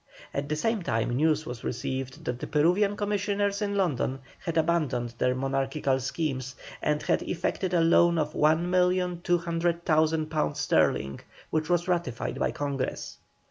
At the same time news was received that the Peruvian commissioners, in London, had abandoned their monarchical schemes, and had effected a loan of one million two hundred thousand pounds sterling, which was ratified by Congress.